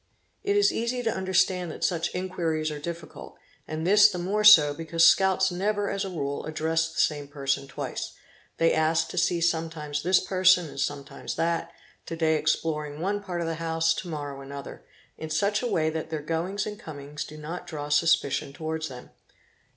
| It is easy to understand that such inquiries are difficult, and this the more so because scouts never as a rule address the same person twice; they ask to see sometimes this person and sometimes that, to day exploring one part of the house, to morrow another, in such a way that their goings and comings do not draw suspicion towards them.